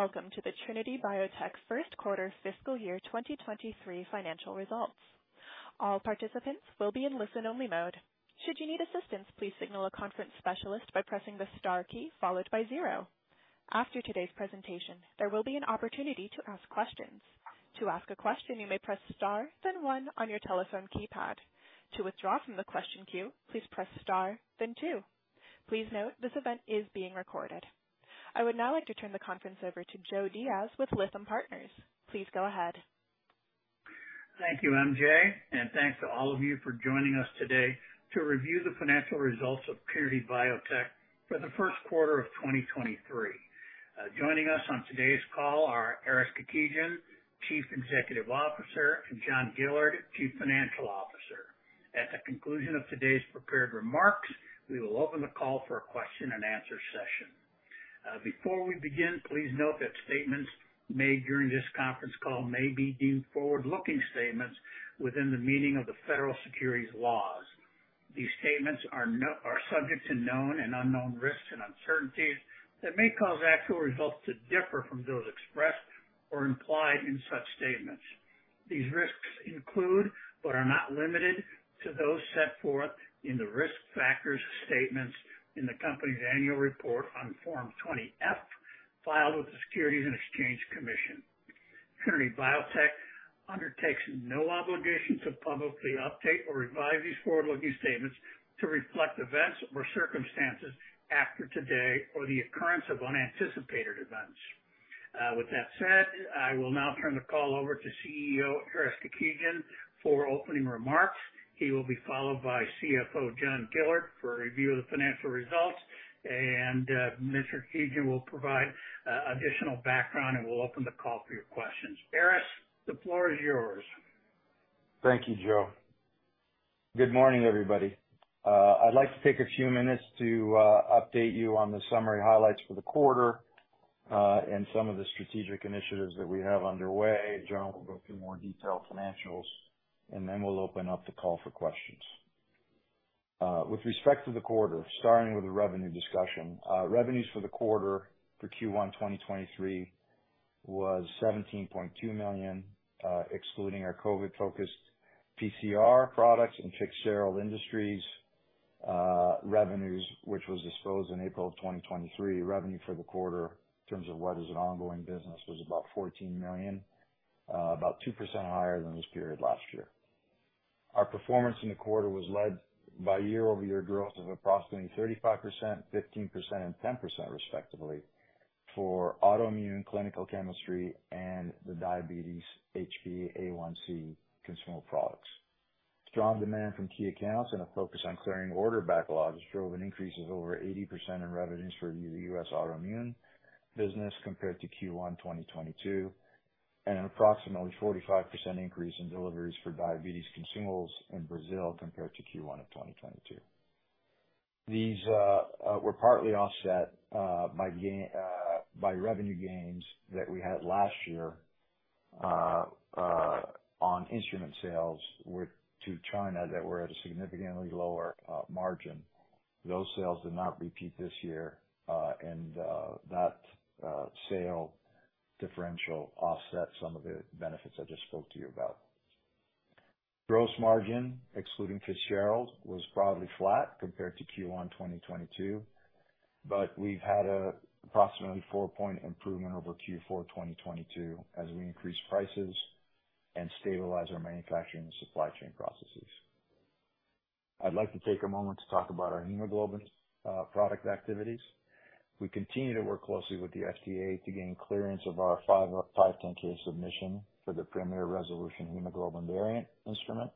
Hello, welcome to the Trinity Biotech First Quarter Fiscal Year 2023 Financial Results. All participants will be in listen-only mode. Should you need assistance, please signal a conference specialist by pressing the star key followed by zero. After today's presentation, there will be an opportunity to ask questions. To ask a question, you may press star, then one on your telephone keypad. To withdraw from the question queue, please press star then two. Please note, this event is being recorded. I would now like to turn the conference over to Joe Diaz with Lytham Partners. Please go ahead. Thank you, MJ. Thanks to all of you for joining us today to review the financial results of Trinity Biotech for the first quarter of 2023. Joining us on today's call are Aris Kekedjian, Chief Executive Officer, and John Gillard, Chief Financial Officer. At the conclusion of today's prepared remarks, we will open the call for a Q&A session. Before we begin, please note that statements made during this conference call may be deemed forward-looking statements within the meaning of the federal securities laws. These statements are subject to known and unknown risks and uncertainties that may cause actual results to differ from those expressed or implied in such statements. These risks include, but are not limited to, those set forth in the risk factors statements in the company's annual report on Form 20-F, filed with the Securities and Exchange Commission. Trinity Biotech undertakes no obligation to publicly update or revise these forward-looking statements to reflect events or circumstances after today or the occurrence of unanticipated events. With that said, I will now turn the call over to CEO, Aris Kekedjian, for opening remarks. He will be followed by CFO, John Gillard, for a review of the financial results. Mr. Kekedjian will provide additional background, and we'll open the call for your questions. Aris, the floor is yours. Thank you, Joe. Good morning, everybody. I'd like to take a few minutes to update you on the summary highlights for the quarter and some of the strategic initiatives that we have underway. John Gillard will go through more detailed financials, then we'll open up the call for questions. With respect to the quarter, starting with the revenue discussion. Revenues for the quarter for Q1 2023 was $17.2 million, excluding our COVID-focused PCR products and Fitzgerald Industries revenues, which was disposed in April of 2023. Revenue for the quarter in terms of what is an ongoing business, was about $14 million, about 2% higher than this period last year. Our performance in the quarter was led by year-over-year growth of approximately 35%, 15%, and 10%, respectively, for autoimmune, clinical chemistry, and the diabetes HbA1c consumable products. Strong demand from key accounts and a focus on clearing order backlogs drove an increase of over 80% in revenues for the U.S. autoimmune business compared to Q1 2022, and approximately 45% increase in deliveries for diabetes consumables in Brazil compared to Q1 of 2022. These were partly offset by gain by revenue gains that we had last year on instrument sales to China that were at a significantly lower margin. Those sales did not repeat this year. That sale differential offset some of the benefits I just spoke to you about. Gross margin, excluding Fitzgerald, was broadly flat compared to Q1, 2022, but we've had a approximately 4-point improvement over Q4, 2022, as we increased prices and stabilized our manufacturing and supply chain processes. I'd like to take a moment to talk about our hemoglobin product activities. We continue to work closely with the FDA to gain clearance of our 510(k) submission for the Premier Resolution Hemoglobin Variant instrument.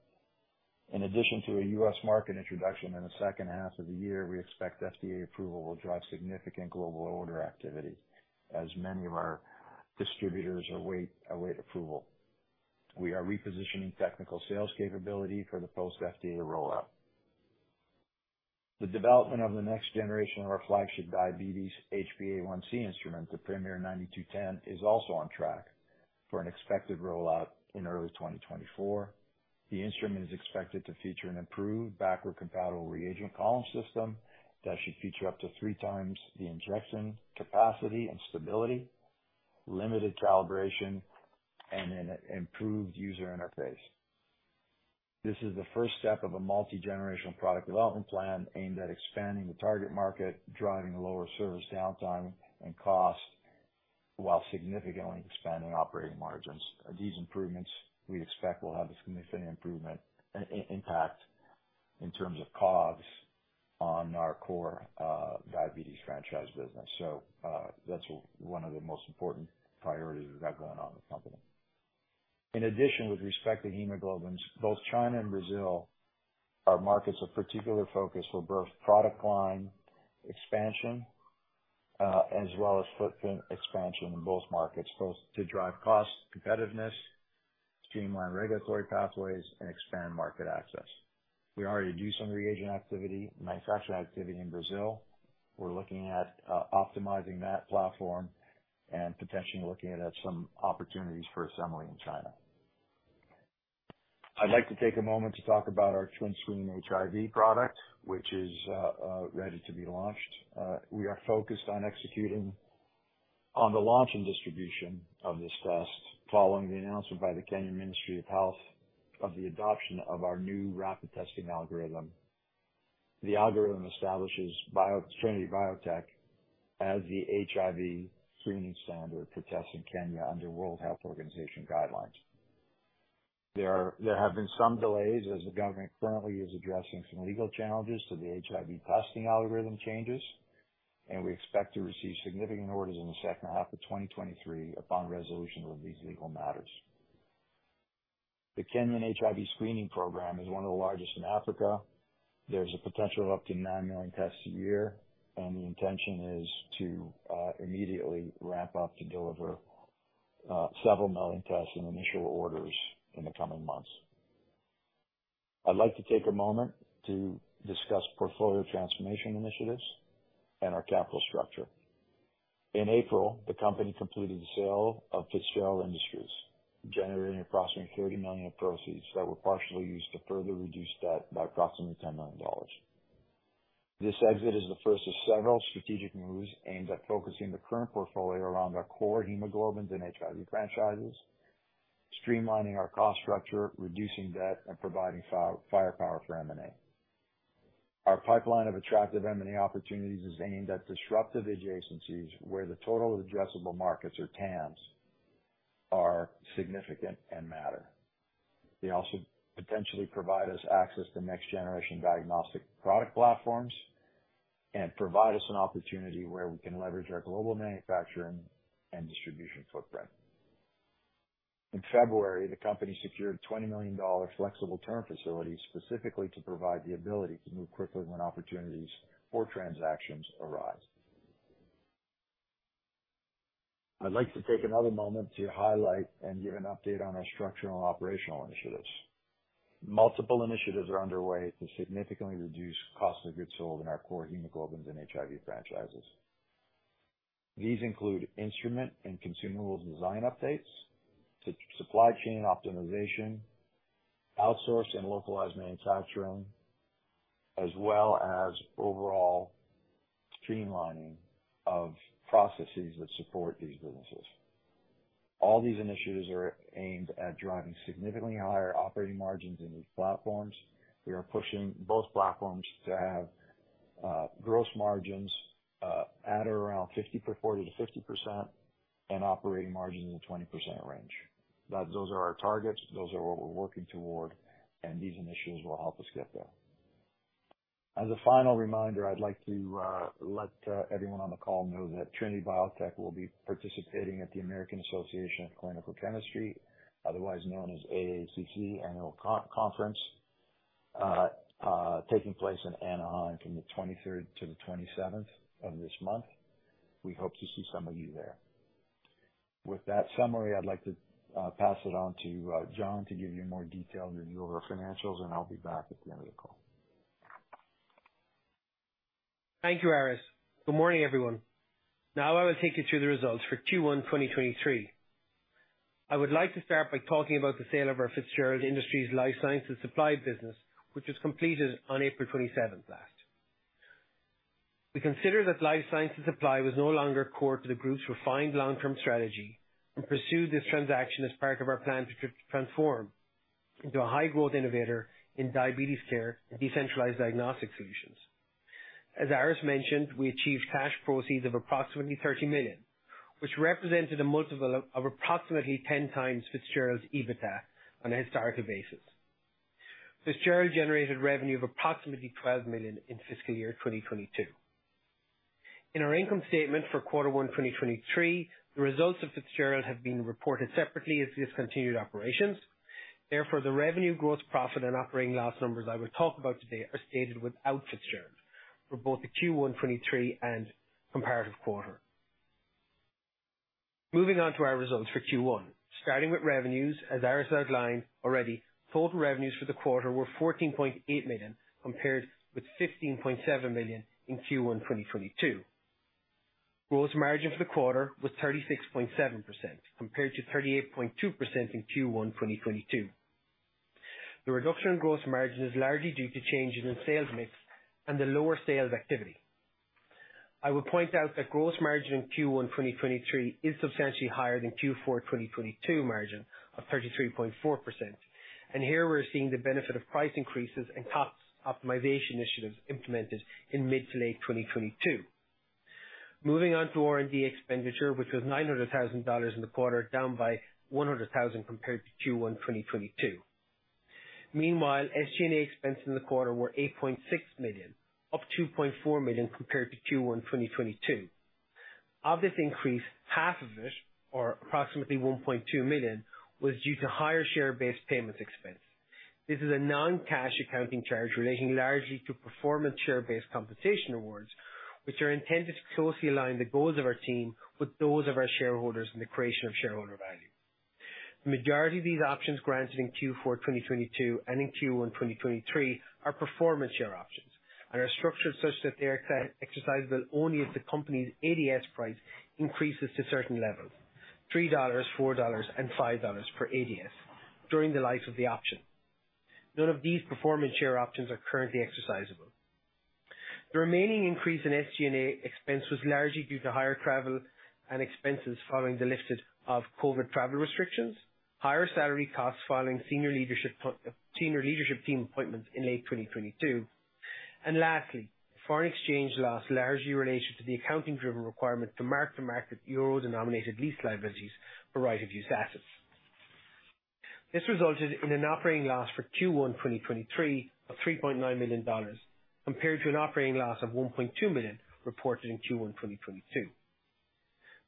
In addition to a U.S. market introduction in the second half of the year, we expect FDA approval will drive significant global order activity as many of our distributors await approval. We are repositioning technical sales capability for the post-FDA rollout. The development of the next generation of our flagship diabetes HbA1c instrument, the Premier Hb9210, is also on track for an expected rollout in early 2024. The instrument is expected to feature an improved backward-compatible reagent column system that should feature up to 3x the injection capacity and stability, limited calibration, and an improved user interface. This is the first step of a multi-generational product development plan aimed at expanding the target market, driving lower service downtime and costs, while significantly expanding operating margins. These improvements, we expect, will have a significant impact in terms of COGS on our core diabetes franchise business. That's one of the most important priorities we've got going on in the company. In addition, with respect to hemoglobins, both China and Brazil are markets of particular focus for both product line expansion, as well as footprint expansion in both markets, both to drive cost competitiveness, streamline regulatory pathways, and expand market access. We already do some reagent activity, manufacturing activity in Brazil. We're looking at optimizing that platform and potentially looking at some opportunities for assembly in China. I'd like to take a moment to talk about our TrinScreen HIV product, which is ready to be launched. We are focused on executing on the launch and distribution of this test following the announcement by the Kenyan Ministry of Health of the adoption of our new rapid testing algorithm. The algorithm establishes Trinity Biotech as the HIV screening standard for testing Kenya under World Health Organization guidelines. There have been some delays as the government currently is addressing some legal challenges to the HIV testing algorithm changes, and we expect to receive significant orders in the second half of 2023 upon resolution of these legal matters. The Kenyan HIV screening program is one of the largest in Africa. There's a potential of up to nine million tests a year, and the intention is to immediately ramp up to deliver several million tests in initial orders in the coming months. I'd like to take a moment to discuss portfolio transformation initiatives and our capital structure. In April, the company completed the sale of Fitzgerald Industries, generating approximately $30 million of proceeds that were partially used to further reduce debt by approximately $10 million. This exit is the first of several strategic moves aimed at focusing the current portfolio around our core hemoglobins and HIV franchises, streamlining our cost structure, reducing debt, and providing firepower for M&A. Our pipeline of attractive M&A opportunities is aimed at disruptive adjacencies, where the total addressable markets or TAMs, are significant and matter. They also potentially provide us access to next generation diagnostic product platforms and provide us an opportunity where we can leverage our global manufacturing and distribution footprint. In February, the company secured a $20 million flexible term facility, specifically to provide the ability to move quickly when opportunities for transactions arise. I'd like to take another moment to highlight and give an update on our structural and operational initiatives. Multiple initiatives are underway to significantly reduce cost of goods sold in our core hemoglobins and HIV franchises. These include instrument and consumables design updates, supply chain optimization, outsourced and localized manufacturing, as well as overall streamlining of processes that support these businesses. All these initiatives are aimed at driving significantly higher operating margins in these platforms. We are pushing both platforms to have gross margins at around 40%-50% and operating margins in the 20% range. Those are our targets, those are what we're working toward, and these initiatives will help us get there. As a final reminder, I'd like to let everyone on the call know that Trinity Biotech will be participating at the American Association for Clinical Chemistry, otherwise known as AACC Annual Conference, taking place in Anaheim from the 23rd to the 27th of this month. We hope to see some of you there. With that summary, I'd like to pass it on to John, to give you a more detailed review of our financials, and I'll be back at the end of the call. Thank you, Aris. Good morning, everyone. I will take you through the results for Q1 2023. I would like to start by talking about the sale of our Fitzgerald Industries Life Sciences Supply business, which was completed on April 27th last. We consider that life sciences supply was no longer core to the group's refined long-term strategy and pursued this transaction as part of our plan to transform into a high growth innovator in diabetes care and decentralized diagnostic solutions. As Aris mentioned, we achieved cash proceeds of approximately $30 million, which represented a multiple of approximately 10 times Fitzgerald's EBITDA on a historical basis. Fitzgerald generated revenue of approximately $12 million in fiscal year 2022. In our income statement for quarter one 2023, the results of Fitzgerald have been reported separately as discontinued operations. Therefore, the revenue, gross profit, and operating loss numbers I will talk about today are stated without Fitzgerald for both the Q1 2023 and comparative quarter. Moving on to our results for Q1. Starting with revenues, as Aris outlined already, total revenues for the quarter were $14.8 million, compared with $15.7 million in Q1 2022. Gross margin for the quarter was 36.7%, compared to 38.2% in Q1 2022. The reduction in gross margin is largely due to changes in sales mix and the lower sales activity. I will point out that gross margin in Q1 2023 is substantially higher than Q4 2022 margin of 33.4%, and here we're seeing the benefit of price increases and cost optimization initiatives implemented in mid to late 2022. Moving on to R&D expenditure, which was $900,000 in the quarter, down by $100,000 compared to Q1 2022. Meanwhile, SG&A expenses in the quarter were $8.6 million, up $2.4 million compared to Q1 2022. Of this increase, half of it, or approximately $1.2 million, was due to higher share-based payments expense. This is a non-cash accounting charge relating largely to performance share-based compensation awards, which are intended to closely align the goals of our team with those of our shareholders in the creation of shareholder value. The majority of these options granted in Q4 2022 and in Q1 2023 are performance share options and are structured such that they are exercisable only if the company's ADS price increases to certain levels: $3, $4, and $5 per ADS during the life of the option. None of these performance share options are currently exercisable. The remaining increase in SG&A expense was largely due to higher travel and expenses following the lifting of COVID travel restrictions, higher salary costs following senior leadership team appointments in late 2022. Lastly, foreign exchange loss largely related to the accounting-driven requirement to mark-to-market euro-denominated lease liabilities for right-of-use assets. This resulted in an operating loss for Q1 2023 of $3.9 million, compared to an operating loss of $1.2 million reported in Q1 2022.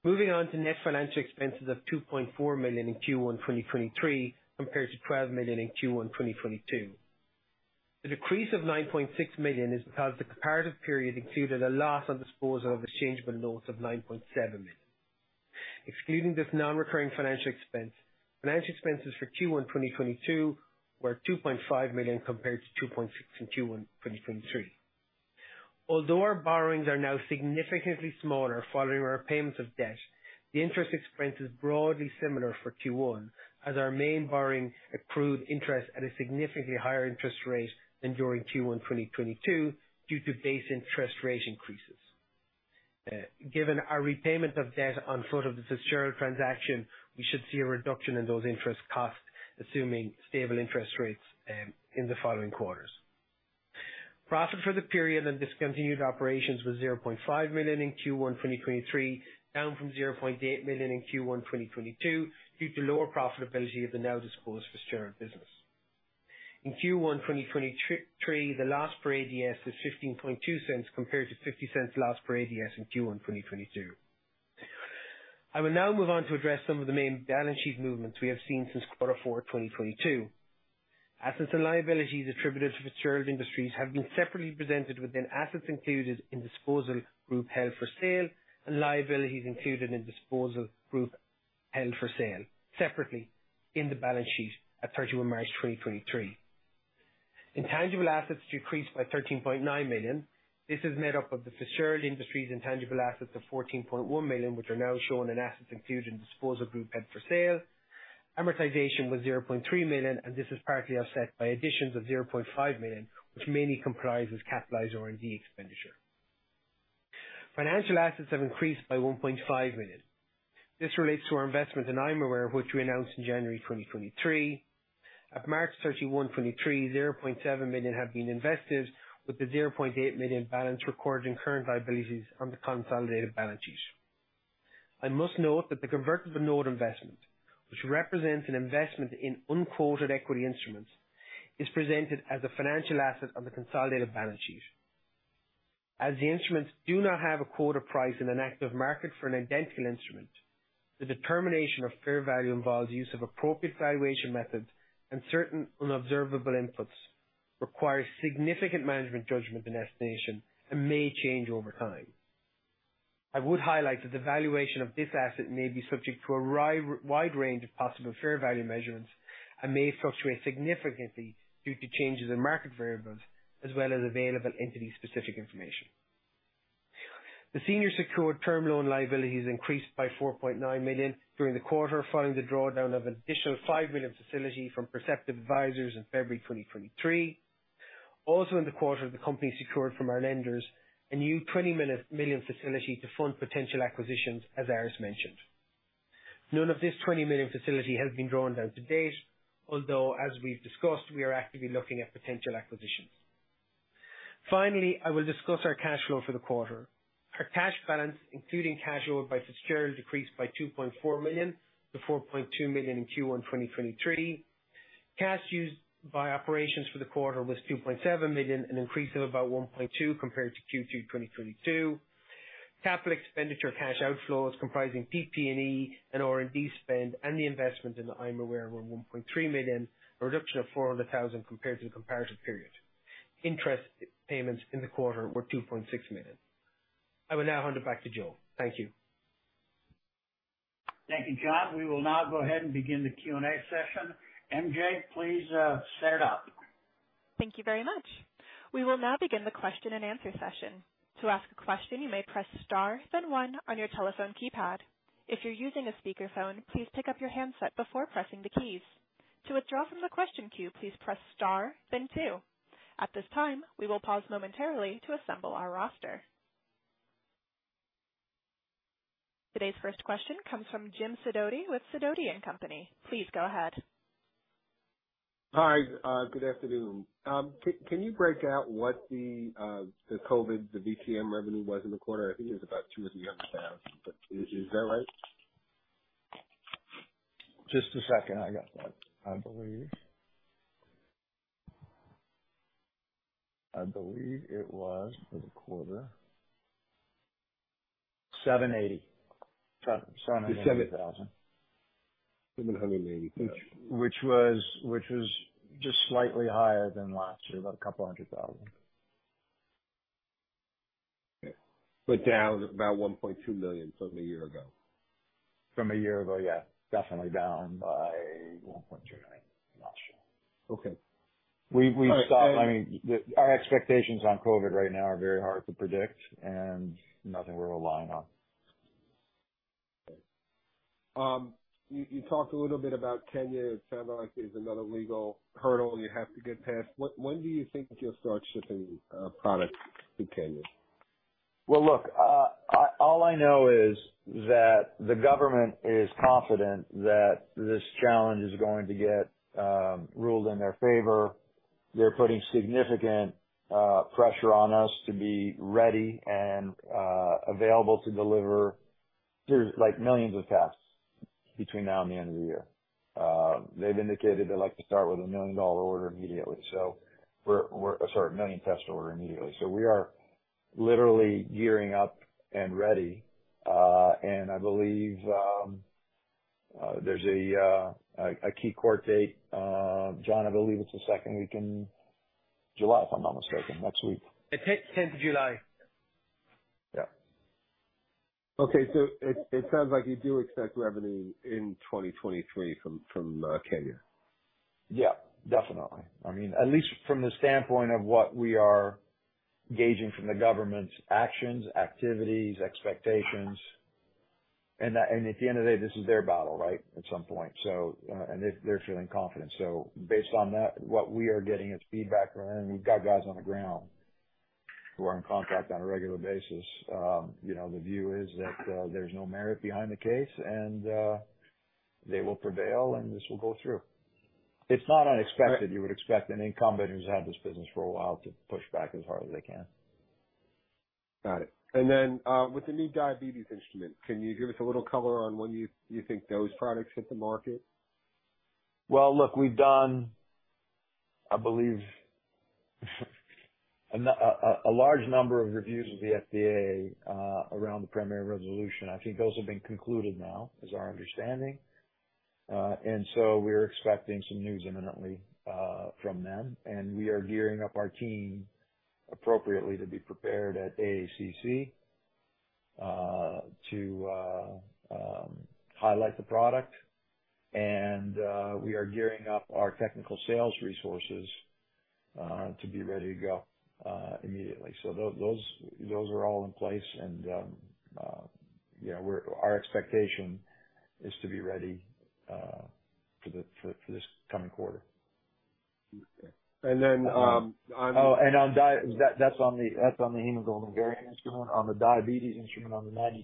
Moving on to net financial expenses of $2.4 million in Q1 2023, compared to $12 million in Q1 2022. The decrease of $9.6 million is because the comparative period included a loss on disposal of exchangeable notes of $9.7 million. Excluding this non-recurring financial expense, financial expenses for Q1 2022 were $2.5 million, compared to $2.6 million in Q1 2023. Although our borrowings are now significantly smaller following our repayments of debt, the interest expense is broadly similar for Q1, as our main borrowing accrued interest at a significantly higher interest rate than during Q1 2022 due to base interest rate increases. Given our repayment of debt on foot of the Fitzgerald transaction, we should see a reduction in those interest costs, assuming stable interest rates in the following quarters. Profit for the period and discontinued operations was $0.5 million in Q1 2023, down from $0.8 million in Q1 2022, due to lower profitability of the now-disposed Fitzgerald Industries. In Q1 2023, the loss per ADS was $0.152, compared to $0.50 loss per ADS in Q1 2022. I will now move on to address some of the main balance sheet movements we have seen since Q4 2022. Assets and liabilities attributed to Fitzgerald Industries have been separately presented within assets included in disposal group held for sale, and liabilities included in disposal group held for sale, separately in the balance sheet at 31 March 2023. Intangible assets decreased by $13.9 million. This is made up of the Fitzgerald Industries' intangible assets of $14.1 million, which are now shown in assets included in disposal group held for sale. Amortization was $0.3 million. This is partly offset by additions of $0.5 million, which mainly comprises capitalized R&D expenditure. Financial assets have increased by $1.5 million. This relates to our investment in Imaware, which we announced in January 2023. At March 31, 2023, $0.7 million have been invested, with the $0.8 million balance recorded in current liabilities on the consolidated balance sheet. I must note that the convertible note investment, which represents an investment in unquoted equity instruments, is presented as a financial asset on the consolidated balance sheet. As the instruments do not have a quarter price in an active market for an identical instrument, the determination of fair value involves use of appropriate valuation methods, and certain unobservable inputs require significant management judgment and estimation and may change over time. I would highlight that the valuation of this asset may be subject to a wide range of possible fair value measurements and may fluctuate significantly due to changes in market variables as well as available entity-specific information. The senior secured term loan liabilities increased by $4.9 million during the quarter, following the drawdown of an additional $5 million facility from Perceptive Advisors in February 2023. In the quarter, the company secured from our lenders a new $20 million facility to fund potential acquisitions, as Aris mentioned. None of this $20 million facility has been drawn down to date, although as we've discussed, we are actively looking at potential acquisitions. I will discuss our cash flow for the quarter. Our cash balance, including cash flow by Fitzgerald, decreased by $2.4 million to $4.2 million in Q1 2023. Cash used by operations for the quarter was $2.7 million, an increase of about $1.2 million compared to Q2 2022. Capital expenditure cash outflows, comprising PP&E and R&D spend, and the investment in the Imaware were $1.3 million, a reduction of $400,000 compared to the comparative period. Interest payments in the quarter were $2.6 million. I will now hand it back to Joe. Thank you. Thank you, John. We will now go ahead and begin the Q&A session. MJ, please set it up. Thank you very much. We will now begin the Q&A session. To ask a question, you may press star, then one on your telephone keypad. If you're using a speakerphone, please pick up your handset before pressing the keys. To withdraw from the question queue, please press star, then two. At this time, we will pause momentarily to assemble our roster. Today's first question comes from Jim Sidoti with Sidoti & Company. Please go ahead. Hi, good afternoon. Can you break out what the COVID, the VTM revenue was in the quarter? I think it was about $200,000 or $300,000, but is that right? Just a second. I got that. I believe it was, for the quarter, 780, $780,000. Seven hundred and eighty thousand. Which was just slightly higher than last year, about $200,000. Okay, down about $1.2 million from a year ago? From a year ago, yeah, definitely down by 1.29. I'm not sure. Okay. We've stopped I mean, our expectations on COVID right now are very hard to predict and nothing we're relying on. You talked a little bit about Kenya. It sounds like there's another legal hurdle you have to get past. When do you think you'll start shipping products to Kenya? Well, look, all I know is that the government is confident that this challenge is going to get ruled in their favor. They're putting significant pressure on us to be ready and available to deliver. There's like millions of tests between now and the end of the year. They've indicated they'd like to start with a $1 million order immediately. Sorry, a 1 million test order immediately. We are literally gearing up and ready. I believe there's a key court date. John, I believe it's the second week in July, if I'm not mistaken. Next week. The tenth of July. Yeah. Okay. It sounds like you do expect revenue in 2023 from Kenya. Definitely. I mean, at least from the standpoint of what we are gauging from the government's actions, activities, expectations, and that. At the end of the day, this is their battle, right? At some point. They're feeling confident. Based on that, what we are getting as feedback, and we've got guys on the ground who are in contact on a regular basis, you know, the view is that there's no merit behind the case, and they will prevail and this will go through. It's not unexpected. You would expect an incumbent who's had this business for a while to push back as hard as they can. Got it. Then, with the new diabetes instrument, can you give us a little color on when you think those products hit the market? Well, look, we've done, I believe, a large number of reviews with the FDA around the Premier Resolution. I think those have been concluded now, is our understanding. We're expecting some news imminently from them, and we are gearing up our team appropriately to be prepared at AACC to highlight the product. We are gearing up our technical sales resources to be ready to go immediately. Those are all in place. You know, our expectation is to be ready for this coming quarter. And then, um, on. That's on the hemoglobin variant instrument. On the diabetes instrument, on the Premier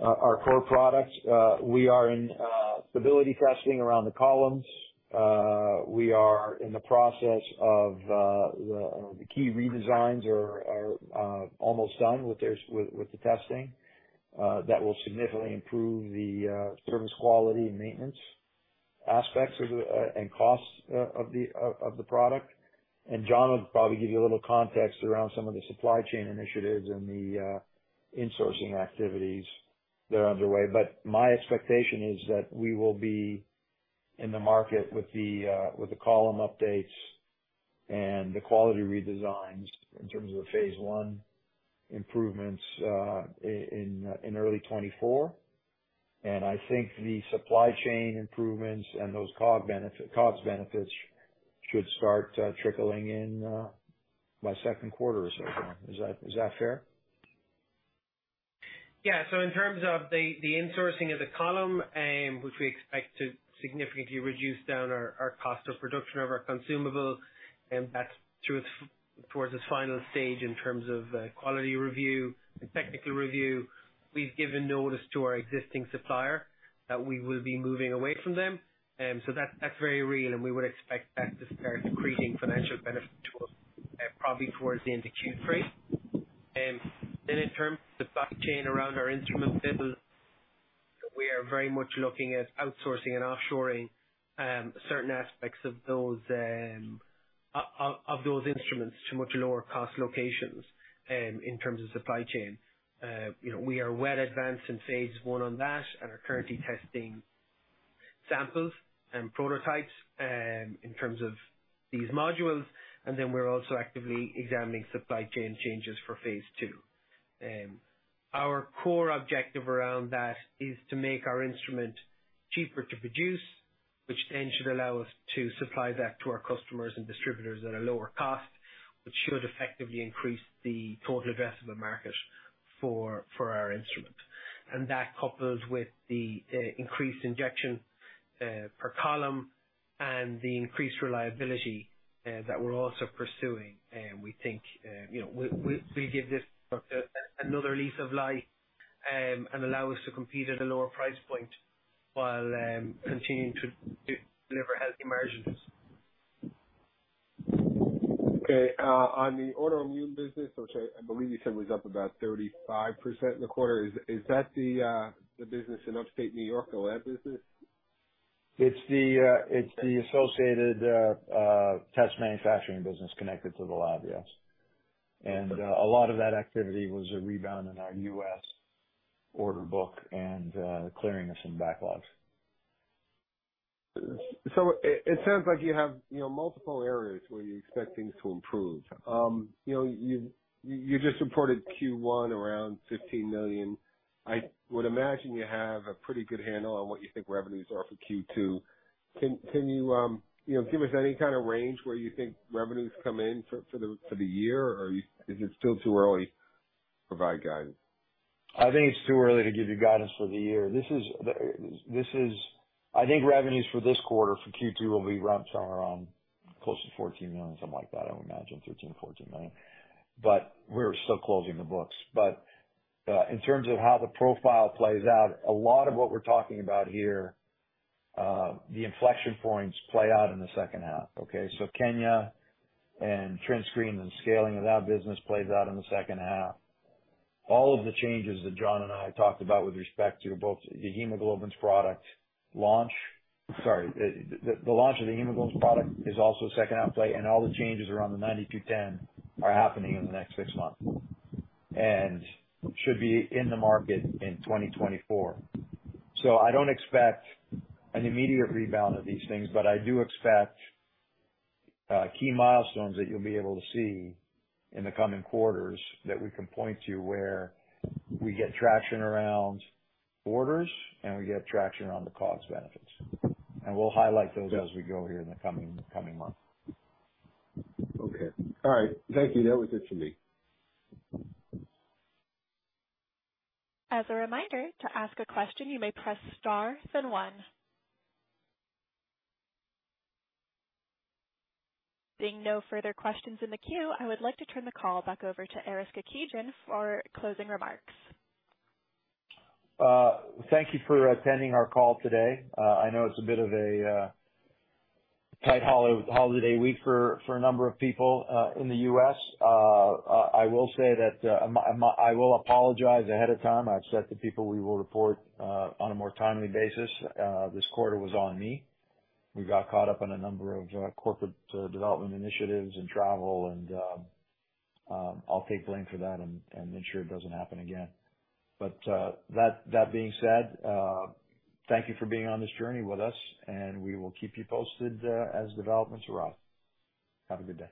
Hb9210, our core products, we are in stability testing around the columns. We are in the process of the key redesigns are almost done with the testing. That will significantly improve the service quality and maintenance aspects of the and costs of the product. John will probably give you a little context around some of the supply chain initiatives and the insourcing activities that are underway. My expectation is that we will be in the market with the column updates and the quality redesigns in terms of the Phase I improvements in early 2024. I think the supply chain improvements and those COGS benefits should start trickling in by second quarter or so. Is that fair? In terms of the insourcing of the column, which we expect to significantly reduce down our cost of production of our consumable, that's through its towards its final stage in terms of quality review and technical review. We've given notice to our existing supplier that we will be moving away from them. That's very real, and we would expect that to start creating financial benefit to us probably towards the end of Q3. In terms of the back chain around our instrument business, we are very much looking at outsourcing and offshoring certain aspects of those instruments to much lower cost locations in terms of supply chain. You know, we are well advanced in Phase I on that and are currently testing samples and prototypes in terms of these modules. We're also actively examining supply chain changes for Phase II. Our core objective around that is to make our instrument cheaper to produce, which then should allow us to supply that to our customers and distributors at a lower cost, which should effectively increase the total addressable market for our instrument. That, coupled with the increased injection per column and the increased reliability that we're also pursuing, we think, you know, will give this product another lease of life and allow us to compete at a lower price point while continuing to deliver healthy margins. Okay, on the autoimmune business, which I believe you said was up about 35% in the quarter, is that the business in upstate New York, the lab business? It's the, it's the associated, test manufacturing business connected to the lab, yes. A lot of that activity was a rebound in our U.S. order book and, clearing of some backlogs. It sounds like you have, you know, multiple areas where you expect things to improve. You know, you just reported Q1 around $15 million. I would imagine you have a pretty good handle on what you think revenues are for Q2. Can you know, give us any kind of range where you think revenues come in for the year? Is it still too early to provide guidance? I think it's too early to give you guidance for the year. I think revenues for this quarter, for Q2, will be ramps around close to $14 million, something like that. I would imagine $13 million-$14 million, but we're still closing the books. In terms of how the profile plays out, a lot of what we're talking about here, the inflection points play out in the second half, okay? Kenya and TrinScreen and scaling of that business plays out in the second half. All of the changes that John and I talked about with respect to both the hemoglobins product launch. Sorry, the launch of the hemoglobins product is also second half play, and all the changes around the 90 to 10 are happening in the next 6 months and should be in the market in 2024. I don't expect an immediate rebound of these things, but I do expect key milestones that you'll be able to see in the coming quarters that we can point to, where we get traction around orders and we get traction around the cost benefits. We'll highlight those as we go here in the coming months. Okay. All right. Thank you. That was it for me. As a reminder, to ask a question, you may press star then one. Seeing no further questions in the queue, I would like to turn the call back over to Aris Kekedjian for closing remarks. Thank you for attending our call today. I know it's a bit of a tight holiday week for a number of people in the U.S. I will say that I will apologize ahead of time. I've said to people we will report on a more timely basis. This quarter was on me. We got caught up on a number of corporate development initiatives and travel, and I'll take the blame for that and ensure it doesn't happen again. That being said, thank you for being on this journey with us, and we will keep you posted as developments arise. Have a good day.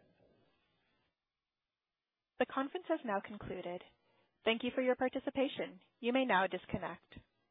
The conference has now concluded. Thank you for your participation. You may now disconnect.